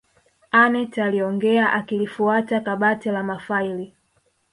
aneth aliongea akilifuata kabati la mafaili